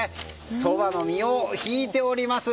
そばの実をひいております。